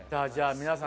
皆さん